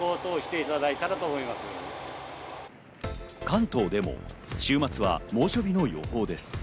関東でも週末は猛暑日の予報です。